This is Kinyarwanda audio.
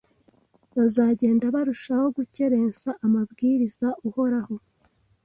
bazagenda barushaho gukerensa amabwiriza Uhoraho